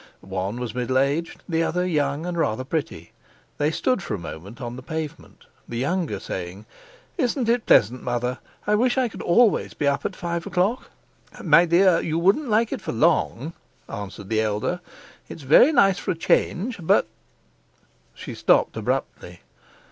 One was middle aged, the other young and rather pretty. They stood for a moment on the pavement, the younger saying: "Isn't it pleasant, mother? I wish I could always be up at five o'clock." "My dear, you wouldn't like it for long," answered the elder. "It's very nice for a change, but " She stopped abruptly.